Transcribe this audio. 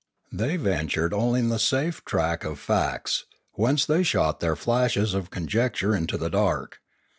They ventured only in the safe track of facts, whence they shot their flashes of conjecture into the dark.